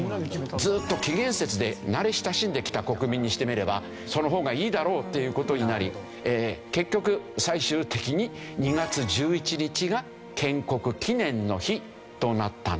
ずっと紀元節で慣れ親しんできた国民にしてみればその方がいいだろうという事になり結局最終的に２月１１日が建国記念の日となったんですね。